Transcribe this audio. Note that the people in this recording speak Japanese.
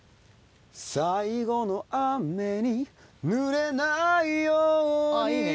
最後の雨に濡れないようにいいね